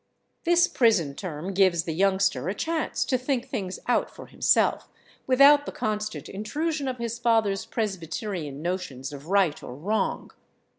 This prison term gives the youngster a chance to think things out for himself, without the constant intrusion of his father's Presbyterian notions of right or wrong.